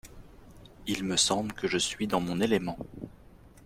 Il me semble que je suis dans mon élément.